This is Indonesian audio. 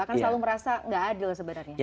akan selalu merasa nggak adil sebenarnya